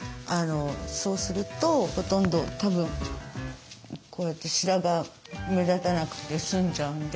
そうするとほとんどたぶんこうやって白髪目立たなくて済んじゃうんで。